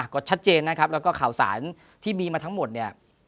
ก็ชัดเจนนะครับแล้วก็ข่าวสารที่มีมาทั้งหมดเนี่ย